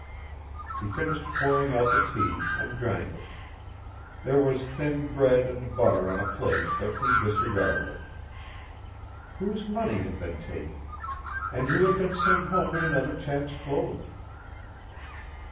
He finished pouring out the tea and drank it; there was thin bread and butter on a plate but he disregarded it. Whose money had been taken, and who had been sent home in another chap's clothes?